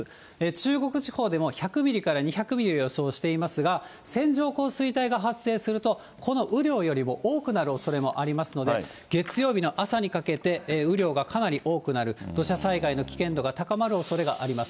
中国地方でも１００ミリから２００ミリを予想していますが、線状降水帯が発生すると、この雨量よりも多くなるおそれもありますので、月曜日の朝にかけて、雨量がかなり多くなる、土砂災害の危険度が高まるおそれがあります。